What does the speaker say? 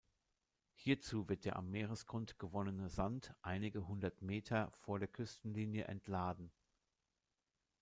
Hierzu wird der am Meeresgrund gewonnene Sand einige hundert Meter vor der Küstenlinie entladen.